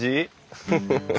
フフフフ。